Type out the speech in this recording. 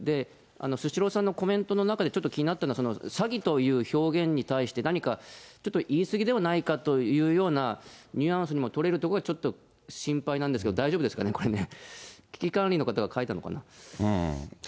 スシローさんのコメントの中で、ちょっと気になったのは、詐欺という表現に対して、何か、ちょっと言い過ぎではないかというようなニュアンスにも取れるところが、ちょっと心配なんですが、大丈夫ですかね、これね。